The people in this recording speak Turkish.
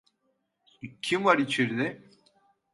Kim var içeride?